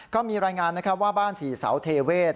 ก็มีรายงานว่าบ้านสี่สาวเทเวศ